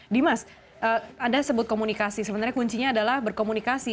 dimas anda sebut komunikasi sebenarnya kuncinya adalah berkomunikasi